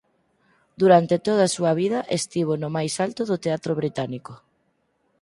Durante toda a súa vida estivo no máis alto do teatro británico.